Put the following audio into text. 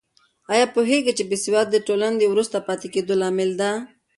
آیا پوهېږې چې بې سوادي د ټولنې د وروسته پاتې کېدو لامل ده؟